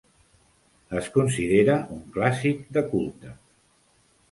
Es considera un clàssic de culte.